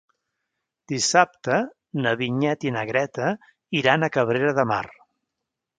Dissabte na Vinyet i na Greta iran a Cabrera de Mar.